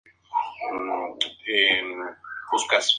Pertenecía al Partido Liberal.